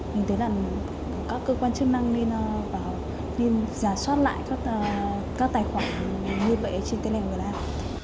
mình thấy là các cơ quan chức năng nên giả soát lại các tài khoản như vậy trên telegram